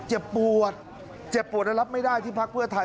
เจ็บปวดเจ็บปวดและรับไม่ได้ที่พักเพื่อไทย